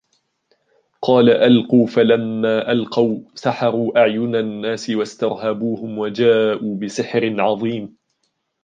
قال ألقوا فلما ألقوا سحروا أعين الناس واسترهبوهم وجاءوا بسحر عظيم